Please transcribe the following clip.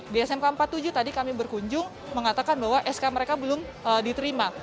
di smk empat puluh tujuh tadi kami berkunjung mengatakan bahwa sk mereka belum diterima